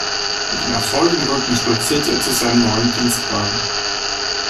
Mit dem Erfolg im Rücken stolzierte er zu seinem neuen Dienstwagen.